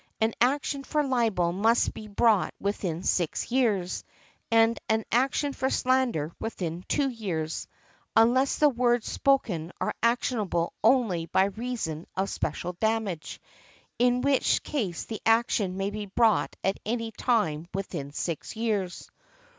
An action for libel must be brought within six years; and an action for slander within two years, unless the words spoken are actionable only by reason of special damage, in which case the action may be brought at any time within six years.